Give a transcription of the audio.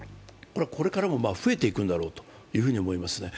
これからも増えていくんだろうと思いますね。